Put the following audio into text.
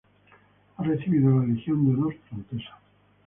Ha recibido la Legión de Honor francesa.